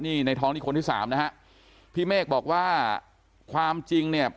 นี่ในท้องนี่คนที่สามนะฮะพี่เมฆบอกว่าความจริงเนี่ย